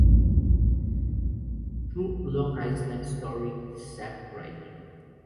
True Long Island Story" de Zack Ryder.